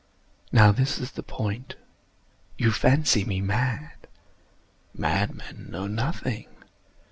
Now this is the point. You fancy me mad. Madmen know nothing.